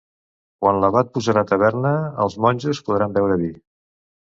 Quan l'abat posarà taverna, els monjos podran beure vi.